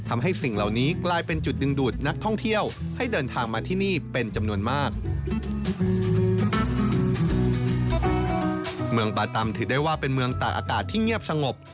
เมืองบาตำถือได้ว่าเป็นเมืองตากอากาศที่เงียบสงบ